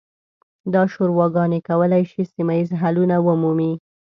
دا شوراګانې کولی شي سیمه ییز حلونه ومومي.